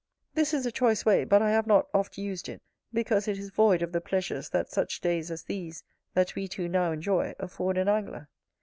This is a choice way, but I have not oft used it, because it is void of the pleasures that such days as these, that we two now enjoy, afford an angler.